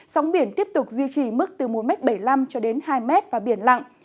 sóng biển tiếp tục duy trì mức từ một bảy mươi năm cho đến hai m và biển lặng